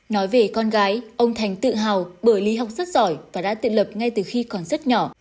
nói về con gái ông thành tự hào bởi lý học rất giỏi và đã tiện lập ngay từ khi còn rất nhỏ